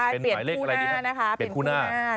เปลี่ยนคู่หน้านะครับ